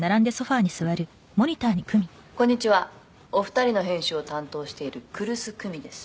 「こんにちはお二人の編集を担当している来栖久美です」